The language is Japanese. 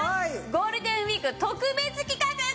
ゴールデンウィーク特別企画こちら！